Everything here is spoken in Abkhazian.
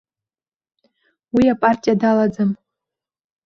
Уи апартиа далаӡам.